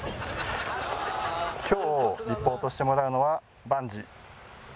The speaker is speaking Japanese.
今日リポートしてもらうのはバンジー。